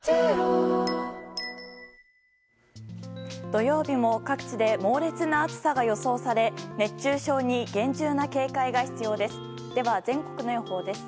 土曜日も各地で猛烈な暑さが予想され熱中症に厳重な警戒が必要です。